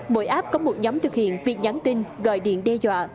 mỗi app có một nhóm thực hiện việc nhắn tin gọi điện đe dọa